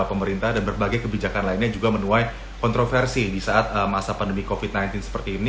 pemerintah dan berbagai kebijakan lainnya juga menuai kontroversi di saat masa pandemi covid sembilan belas seperti ini